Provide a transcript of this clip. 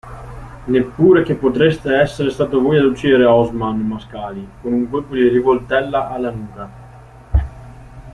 Neppure che potreste esser stato voi ad uccidere Osman Mascali con un colpo di rivoltella alla nuca.